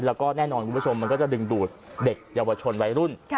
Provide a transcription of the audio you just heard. แล้วก็แน่นอนคุณผู้ชมมันก็จะดึงดูดเด็กเยาวชนวัยรุ่น